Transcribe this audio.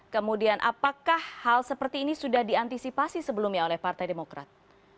kemudian apakah hal seperti ini sudah diantisipasi sebelumnya oleh partai demokrat